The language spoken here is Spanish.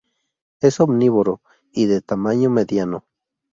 Es omnívoro y de tamaño mediano.